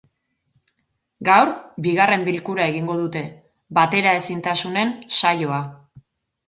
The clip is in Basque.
Gaur, bigarren bilkura egingo dute, bateraezintasunen saioa.